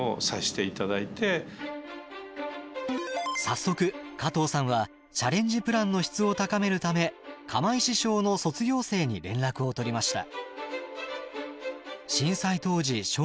早速加藤さんはチャレンジプランの質を高めるため釜石小の卒業生に連絡を取りました。